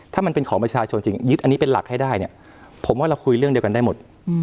ถ้ามันเป็นของประชาชนจริงยึดอันนี้เป็นหลักให้ได้เนี่ยผมว่าเราคุยเรื่องเดียวกันได้หมด